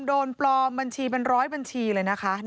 โดนปลอมบัญชีเป็นร้อยบัญชีเลยนะคะ